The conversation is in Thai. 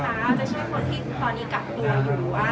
ล่ะจะเสียคนที่ตอนนี้กัดตัวอยู่อ่ะ